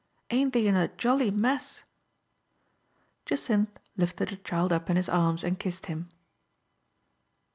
Aint they in a jolly mess ?" Jacynth lifted the child up in his arms and kissed him.